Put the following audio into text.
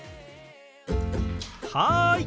はい！